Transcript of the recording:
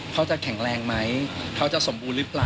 เขาจะแข็งแรงไหมเขาจะสมบูรณ์หรือเปล่า